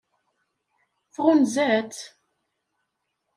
Tɣunza-tt?